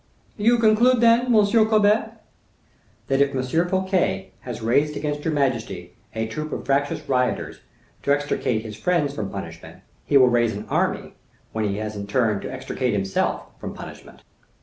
"You conclude, then, M. Colbert—" "That if M. Fouquet has raised against your majesty a troop of factious rioters to extricate his friends from punishment, he will raise an army when he has in turn to extricate himself from punishment."